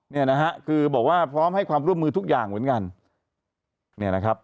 เนี่ยนะฮะคือบอกว่าพร้อมให้ความร่วมมือทุกอย่างเหมือนกันเนี่ยนะครับ